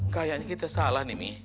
kayaknya kita salah nih